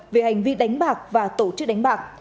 về hành vi đánh bạc và tổ chức đánh bạc